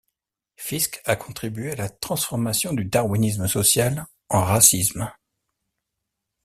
Fiske a contribué à la transformation du darwinisme social en racisme.